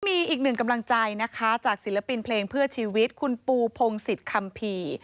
มีอีกหนึ่งกำลังใจจากศิลปินเพลงเพื่อชีวิตคุณปู่โพงสิทธิ์ขัมผี